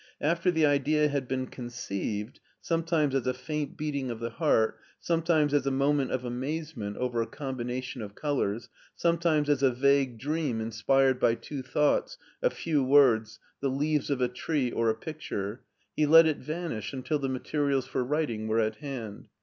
After the idea had been conceived — sometimes as a faint beating of the heart, sometimes as a moment of amazement over a combina tion of colors, sometimes as a vague dream inspired by two thoughts, a few words, the leaves of a tree or a picture — ^he let it vanish until the materials for writing were at hand.